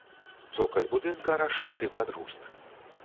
Цокаль будынка расшыты пад руст.